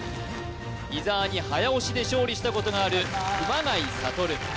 伊沢に早押しで勝利したことがある熊谷覚